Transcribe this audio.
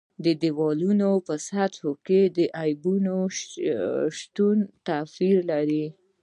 د دېوالونو په سطحو کې د عیبونو شتون توپیر لري.